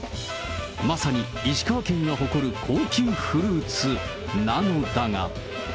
まさに石川県が誇る高級フルーツなのだが。